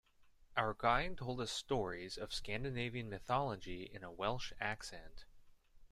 Our guide told us stories of Scandinavian mythology in a Welsh accent.